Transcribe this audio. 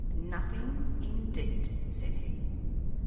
"Nothing, indeed," said he.